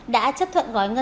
đã chấp thuận gói ngang